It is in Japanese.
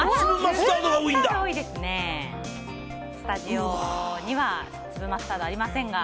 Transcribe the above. スタジオには粒マスタードありませんが。